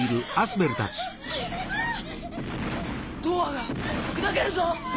ドアが砕けるぞ！